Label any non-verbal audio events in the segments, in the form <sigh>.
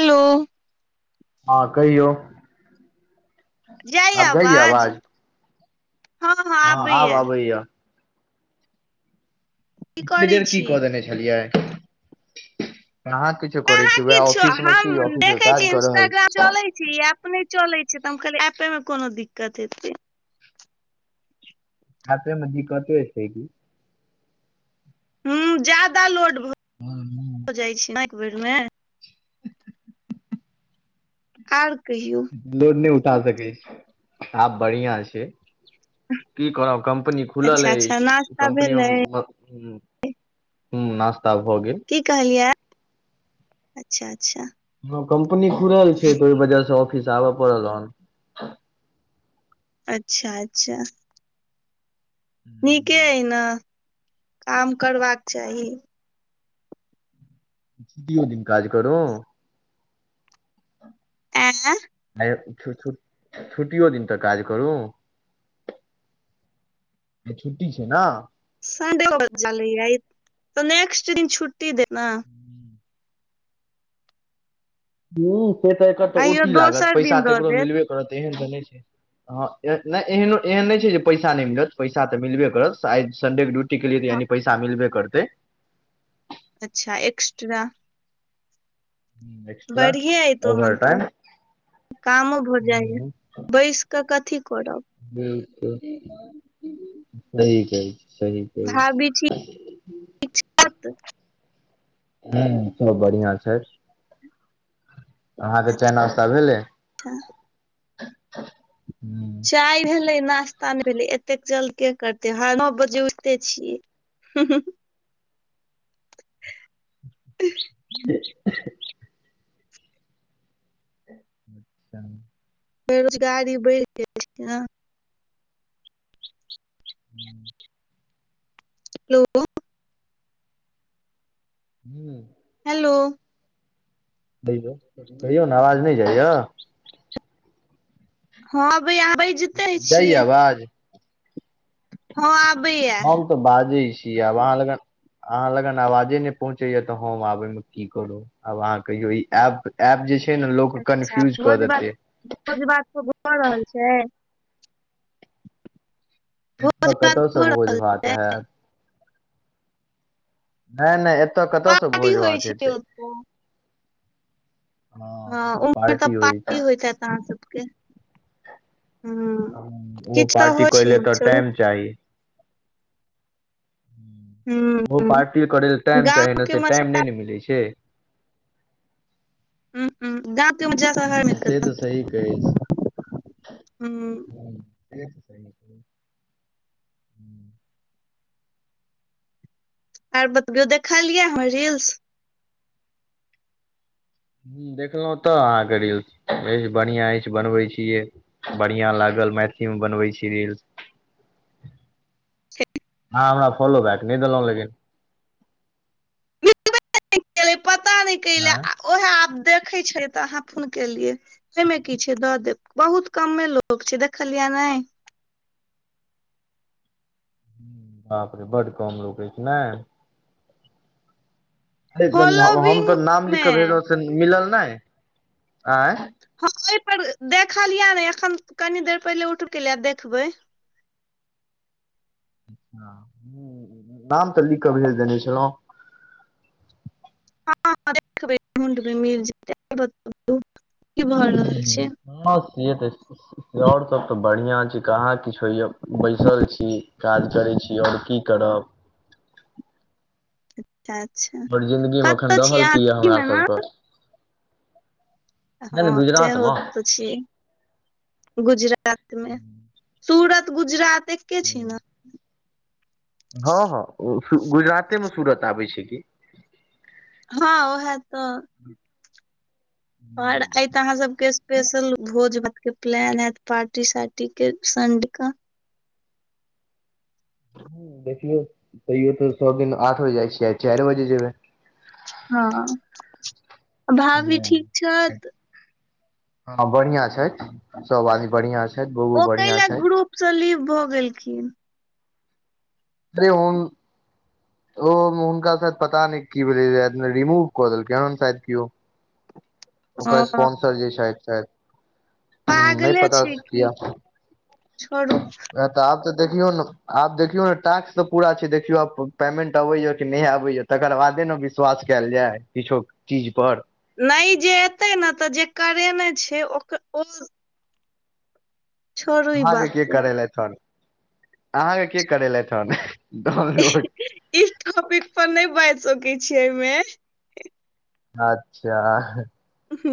Hello. हँ कहियौ। जाइये आब जाइए आवाज, हँ हँ आब आबैये। आबैया की एती करै देर की छी कऽ अहाँ देने छलियै। कहाँ किछो करै छी की वैह छौ ऑफिस मे छी ऑफिस मे काज क रहल छी। चलै छी आब। नहि चलै छै तऽ हम कहलियै ऐपे मे कोनो दिक्कत हेतै। ऐपे में दिक्कते छै कि हुं जादा लोड भ हुं। हो जाइ छै न एक बेर मे। आर कहियौ। लोड नहि उठा सकै छै, हँ बढ़िया छै। की कहब कम्पनी खुलल अच्छा अच्छा अछि, नास्ता कम्पनीमे भेलै ओकर हुं नास्ता भऽ गेल। की कहलियै, अच्छा अच्छा। ह कम्पनी खुलल छै तऽ ओहि वजह से ऑफिस आबऽ पड़ल हन। अच्छा अच्छा। नीके अइ ने, काम करबाक चाही। छुट्टियो दिन काज करू। एं। आ छ छ छुट्टियो दिन के काज करू। आइ छुट्टी छै ने। सनडेओ के चलते, त नेक्स्ट दिन छुटी देत ने। हं से तऽ एकर तऽ कहियो ओटी लागत दोसर पैसा दिन त दऽ एकरो देत मिलबे तेहेन तऽ नहि छै, एहेन नहि छै जे पैसा नहि मिलत, पैसा तऽ मिलबे करतै, आ संडे के ड्यूटी केलियै तऽ यानि पैसा मिलबे करतै। अच्छा एक्स्ट्रा। एक्स्ट्रा बढ़िये ऐ ओवर तखन तऽ। टाइम कामो भऽ जाइएा हूँ बैस कऽ कथी करब। बिलकुल सही कहए छी, सही। कहै छी भाभी ठीक। <inaudible> हं सब बढ़ियां छै अहाँके चाय अच्छा नश्ता भेलै हं चाय भेलै नास्ता ने भेलै एतेक जल्द के करते ह नओ बजे उठिते छियै हुं हुं हुं <inaudible> <inaudible> बेरोजगारी बढ़ि गेल छै न हूँ हेलो हूँ हेलो <unintelligible> कहियो न अवाज नइ जाइय हँ आबैया आहा बइजते जाइया छियै आवाज हँ आबैया हम तऽ बाजै छि आब अहाँ लग अहाँ लगन आवाजे नइ पहुँचैए तऽ हम आबयमे की करू आब अहाँ कहियौ ई ऐप ऐप जे छै ने लोक अच्छा कन्फ्यूज कऽ देतै क रहल छै भोज एतऽ भात कत सँ भऽ भोज रहल भात हैत नय नय एतय कतयसँ पार्टी भोज होइ भात छै हेतै ओतऽ हँ उम्हर तऽ पार्टी होइत हैत अहाँ सबके हूँ ओ किछ तऽ पार्टी होइ छै करेले तऽ चलू टाइम चाही हूँ ओ हूँ पार्टी करै लेल टाइम चाही गाँव न के से टाइम मजा नइ ने मिलै छै हं हं <unintelligible> हं से तऽ सही कहै हूँ छी हं आर बतबियौ देखलियै हमर रील्स हं देखलहुँ तऽ अहाँके रिल्स अइछ बढ़िआं अछि बनबै छियै बढ़िआँ लागल मैथिलीमे बनबै छी रील आहां हमरा फॉलो बैक नइ देलउ लेकिन <inaudible> पता ने कइलै आँय ओएह आब देखै छय तऽ अहाँ फोन केलियै एइमे की छै दऽ देब बहुत कमे लोक छै देखलिया नइ बापरे बड कम लोक अइछ ने हम फॉलोविंग तऽ नाम लिख मे क भेनलउ से मिलल नय आंय हँ ओइ पर देखलिय नइ एखन कनि देर पहिले उठबे केलीय देखबै ह नाम तऽ लिख कऽ भेज देने छलउ हँ देखबइ ढुंढबई मिल जेतइ <inaudible> की भ रहल छै हं से त छइ और सब तऽ बढ़िआँ छै कहाँ किछ होइए बैसल छी काज करै छी और की करब तेछा बड़ जिंन्दगीमे एखन रहल की यए हमरा सबके नहि हँ ने तै होत गुजरातमे सेऽ गुजरात मे सुरत गुजरात एके छय न हँ हँ ओ गुजराते मे सूरत आबै छै कि हँ ओहे तऽ <unintelligible> ओर आई त अहाँ सबके स्पेशल भोज भात के प्लान हेत पार्टी सार्टी के संडे क हू देखियौ तैयो तऽ सब दिन आठ बजे जाए छी आई चारि बजे जेबै हँ भाभी ह ठीक छथि हँ बढ़आं छै सोब आदमी बढ़िआं छै ओ कइलै ग्रुप सऽ लीभ भऽ गेलखिन लै ओन ओ हुनका शायद पता नहि की भेलै राइत मे रिमूव कऽ देलकै हन शायद कियो ओकर ओ स्पॉन्सर जे छैथ शायद हूँ, नहि पागले पता छय की किया छोड़ू वैह आब तऽ देखियो न आब देखियौ ने टास्क तऽ पूरा छै देखियौ आब पेमेंट अबैए कि नहि आबैए तकर बादे ने बिस वास कैल जे किछौ चीज पर नहि जे एतै ने तऽ जे करेने छै ओक ओ छोड़ू ई अहाँके बात के करेलेथ हन अहाँके के करेलेथ हन डाउनलोड ई टॉपिक पर नहि बाजि सकै छी एहिमे अच्छा उहू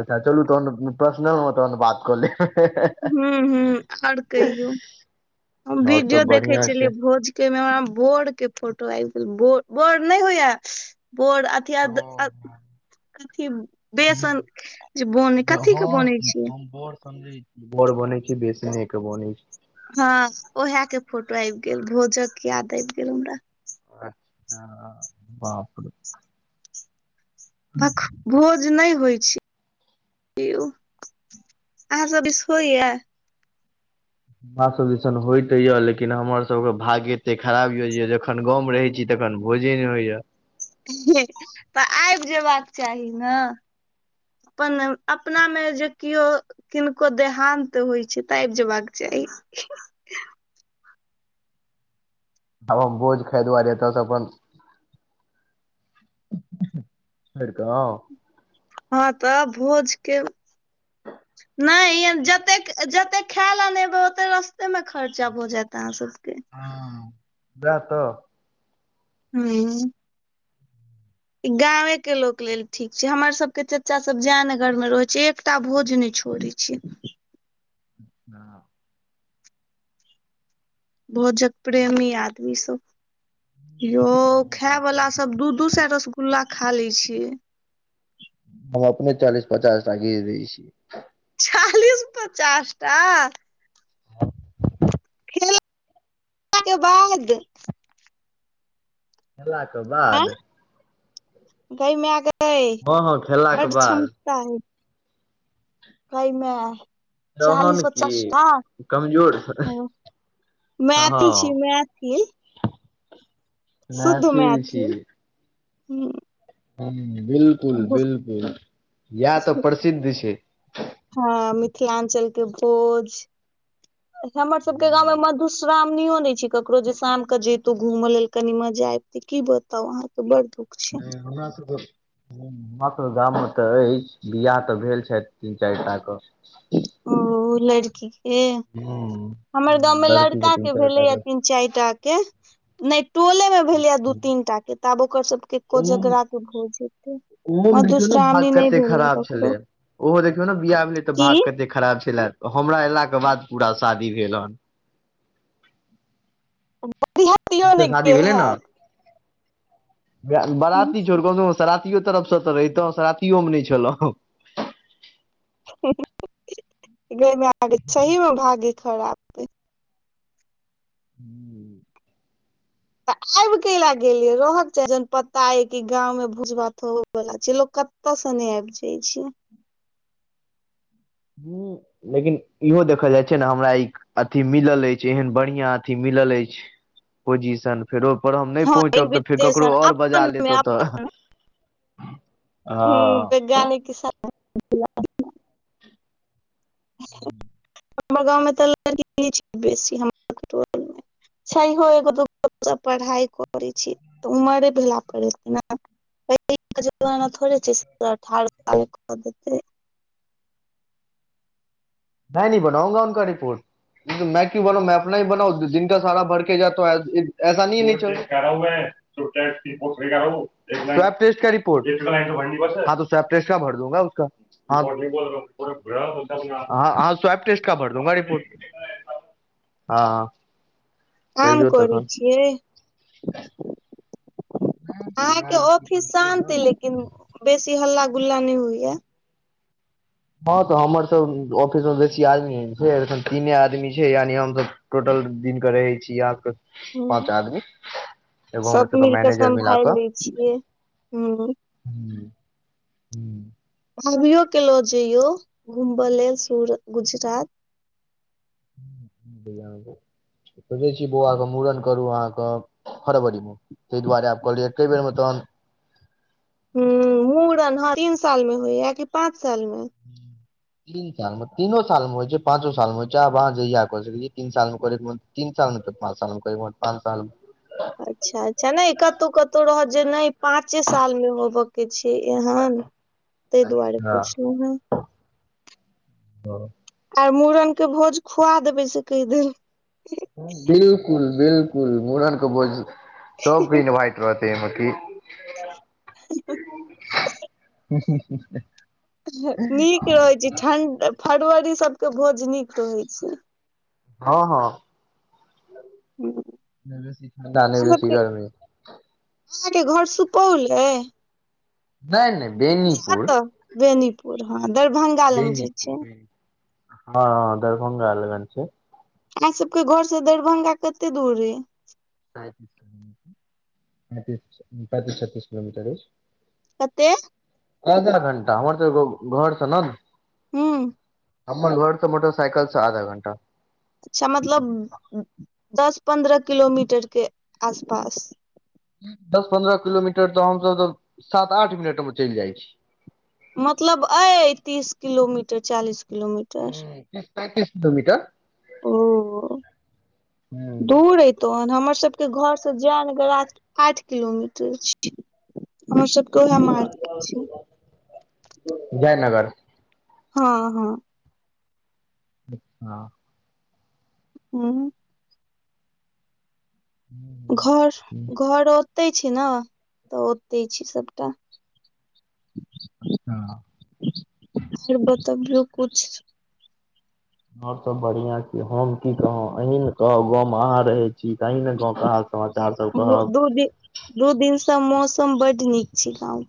अच्छा चलू तहन पर्सनल मे तहन बात कऽ लेब हु हु और कहियौ हम आओर वीडियो सब देखै बढ़िआँ छै छलियै भोज के मे हमरा मे बोर के फोटो आबि गेल बोर नहि होइए बोर किये दऽ अ हँ हँ कथी बेसन जे बनै कथी के बनै छै बोर समझै बोर बनै छै बेसने के बनै छै हँ ओहे के फोटो आबि गेल भोजक याद आबि गेल हमरा अच्छा बाप रौ भक भोज नहि होए छै यौ उ अहाँ सब दिस होइया हमरा सब दिसन होए तऽ यऽ लेकिन हमर सबके भाग्य एते खराब यए जे जखन गाँवमे रहै छी तेखन भोजे नहि होइय ह्ह तऽ आबि जेबाक चाही ने अपन अपना मे जे कियो किनको देहान्त होए छै तऽ आबि जेबाक चाही आब हम भोज खै दुआरे एतऽ स अपन छोड़ि क आऊ हँ तऽ भोज के <inaudible> नहि ये जतेक जते खै लेल नै एब ओते रस्ते में खर्चा भऽ जेत अहाँ सबके हँ व‌एह तऽ हूं ई गांवे के लोक लेल ठीक छै, हमर सब के चाचा सब जयनगर में रहै छैय एकटा भोज नैय छोड़ै छै। छियै। ठीक न भोजक प्रेमी आदमी सब। यौ खाय बात वला नहि सब दू-दू स‌ए रसगुल्ला खा ल‌ए छैय। हम अपने चालीस पचासटा घिच दैय छियै। चालीस-पचास टा। खेलाइ पिलाके बाद खेला के आ बाद गै माय गै हँ हँ खेललाके बड्ड बाद क्षमता अइ गै माय तहन की चालीस-पचास टा कमजोर हां। मैथिल हँ छी, मैथिल। शुद्ध मैथिल हूं। ह्म बिल्कुल-बिल्कुल यएह तेय प्रसिद्ध छै। हां मिथिलांचल के भोज, हमर सबके गाँव मे मधुस् श्रावणियो नै छै ककरो जे शाम के जैतो घूमय लेल कनी मजा आबितै की बताउ अहाँ के बड़ दुख हे हमरा सबके हूॅं हमरा त गाम मे तऽ अछि बियाह तऽ भेल छथि तीन-चारि टा के उ लड़की के हूँ हमर गाँव मे लड़की लड़का तीन के चारि टा भेलैया तीन चारि टा के नै टोले मे भेलैय दू के तीन टा के तऽ आब ओकर सबके ओम कोजगरा के भोज हेतै। ओहो मे देखियौ ने भाग मधुश्रावणी नै कते भेलैये खराब छलै ककरो ओहो देखियौ ने बियाह भेलै तऽ की भाग कते खराब छले, हमरा अयलाके बाद पूरा शादी भेल हन। बरियातियो जते नेय शादी गेल हैब। ग बारती हूँ छोड़ूं कम स कम सरातीयो तरफसे तऽ रहितहुँ सरातीयोमे नै छलहुँ। ह्म ह्म गै मैय गे सही मे भागे खराब अइ हूँ तऽ आबि कैला गेलियै रहक चाही जहन पता अइ कि गाँव मे भोज भात होय। बला छैय, लोक कत्तौ से नै आबि जाइ छै। हूॅं लेकिन इहो देखल जाइ छैय, ने हमरा ई अथी मिलल अछि, एहन बढ़ियां अथी मिलल अछि। पोजिशन फेरो ओहि पर हम नै हँ पहुँचब तऽ फेर ककरो इन्विटेशन और बजा अपन लेत मे ओतय। अपन हूँ वैज्ञानिक किसा <inaudible> हमर गाँव मे तऽ लड़की नै छैय बेसि हमर टोल में छैहियो एगो दूगो पढ़ाई करैत छी तऽ उमरे बियाह करत ने उएह के जमानाथोड़े छै, अठारह साल क देतै। मैं नही बनाउंगा उनका रिपोर्ट। मैं क्यू बनाउ मैं अपना ही बना दिन का सारा भरके जा ऐसा तो नही ठीक केह रहा हूं मैं। रिपोर्ट हां सट का सब पैसा भर दूंगा उसका <unintelligible> हां वी बॉल हो अप <unintelligible> ह हाँ सब टेस्ट का भर दूगा रिपोर्ट हां। काम करै छियै। नहि तऽ अहाँ के वएह अथी पर ऑफिस छियै ने शान्त हे, लेकिन बेसी हल्ला- गुल्ला नै होइया। हां तऽ हमर सब ऑफिस मे बेसी आदमी छै अखन तीने आदमी छैय, यानि हमसभ टोटल दिन के रहै छी आहाक हूँ पाँच आदमी एगो हमर सब सबके मिल क मैनेजर मिला समभाइल लै छियै ह्म हं हं भाभियो के लो जइयो घुमबऽ लेल सुरत गुजरात सोचै छी बौआके मूड़न करू अहाँके फरवरी मे तइ दुआरे आब कहलियै एके बेर मे तहन हँ मुड़न ह तीन साल मे होइय कि पाँच साल मे <inaudible> तीन सालमे तीनो सालमे होइ छै पाँचो सालमे होइ छै आब अहाँ जहिया क सकै छी तीन सालमे करैके मून तीन साल नइ त पाँच सालमे कह पाँच साल अच्छा अच्छा नइ कतौ कतौ रहत जे नइ पाँचे साल मे होबक किछहन तइ दुआरे हँ पुछलउ हें आई मुड़न के भोज खुआ देबै से कही देल बिल्कुल बिल्कुल मुड़न के भोझ सबके इनवाइट रहततै अहाँ के <unintelligible> हूँ हूँ हू नीक रहै छै ठण्ड फरवरी सबके भोज नीक रहै छै हँ हँ हं नइ बेसी ठण्डा नइ बेसी गर्मी अहाँके घर सुपौल अय नय नय नय एतऽ बेनीपुर हँ दरभंगा लग जे छै बेनीपुर हँ दरभंग लगन छै अहाँ सबके घर स दरभंगा कते दूर अय पैंतीस पैतीस छत्तीस किलोमीटर अइछ कते आधा घंटा हमर तऽ घ-घर स नन हूँ हमर घर तऽ मोटरसाईकल स आधा घण्टा अच्छा मतलब दस पन्द्रह किलोमीटर के आस पास दस पन्द्रह किलोमीटर तऽ हमसब तऽ सात आठ मिनट मे चइल जाई छी मतलब अइ तीस किलोमीटर चालीस किलोमीटर ह तीस पैंतीस किलोमीटर ओ ह दूर अय तन हमर सबके घर स जयनगर आठ किलोमीटर छी हमर सब <unintelligible> जयनगर हँ हँ अच्छा हँ घर घर ओते छै न तऽ ओतै छय सबटा हँ फेर बतबियौ कुछ आर सब बढ़िया छी हम की कहों अहि ने कहब गाँव मे अहाँ रहय छी त अहि ने गाँव के हाल समाचार सब बो कहब दू दिन, दू दिन से मौसम बड्ड नीक छै गांव मे।